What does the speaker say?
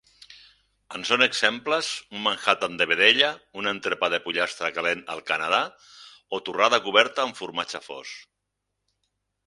En són exemples un Manhattan de vedella, un entrepà de pollastre calent al Canadà o torrada coberta amb formatge fos.